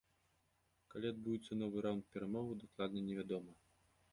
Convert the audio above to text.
Калі адбудзецца новы раўнд перамоваў, дакладна невядома.